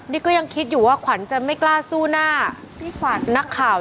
นี่ก็ยังคิดอยู่ว่าขวัญจะไม่กล้าสู้หน้าพี่ขวัญนักข่าว